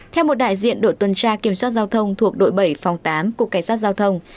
theo một đại diện đội tuần tra kiểm soát giao thông thuộc đội bảy phòng tám cục cảnh sát giao thông